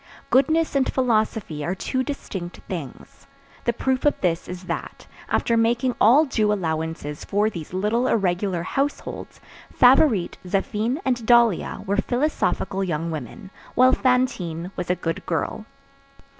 Goodness and philosophy are two distinct things; the proof of this is that, after making all due allowances for these little irregular households, Favourite, Zéphine, and Dahlia were philosophical young women, while Fantine was a good girl.